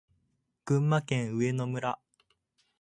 群馬県上野村